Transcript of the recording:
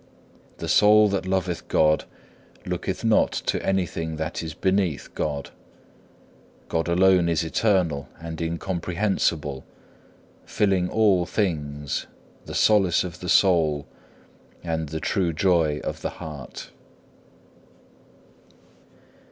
The soul that loveth God looketh not to anything that is beneath God. God alone is eternal and incomprehensible, filling all things, the solace of the soul, and the true joy of the heart.